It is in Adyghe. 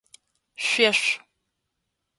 Шъуешъу!